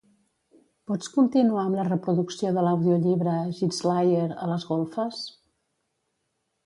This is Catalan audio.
Pots continuar amb la reproducció de l'audiollibre "Gitslayer" a les golfes?